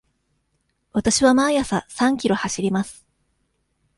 わたしは毎朝三キロ走ります。